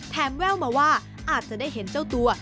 แววมาว่าอาจจะได้เห็นเจ้าตัว